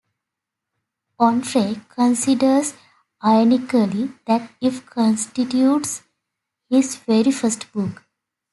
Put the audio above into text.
Onfray considers ironically that it constitutes his "very first book".